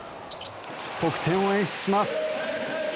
得点を演出します。